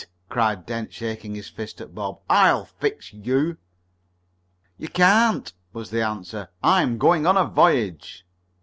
cried Dent, shaking his fist at Bob. "I'll fix you!" "You can't!" was the answer. "I'm going on a voyage!"